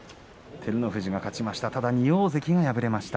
照ノ富士が勝ちました。